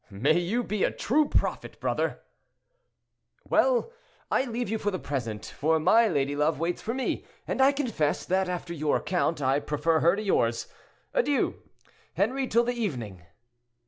"May you be a true prophet, brother!" "Well! I leave you for the present, for my lady love waits for me: and I confess, that after your account, I prefer her to yours. Adieu! Henri, till the evening."